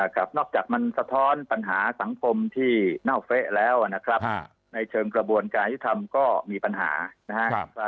ครับนอกจากมันสะท้อนปัญหาสังคมที่เน่าเฟะแล้วนะครับในเชิงกระบวนการยุทธรรมก็มีปัญหานะครับ